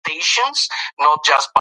موږ تل د خپلو دودیزو خوړو ستاینه کوو.